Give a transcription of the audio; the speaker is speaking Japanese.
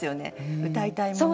うたいたいもの。